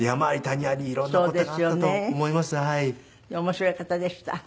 面白い方でした。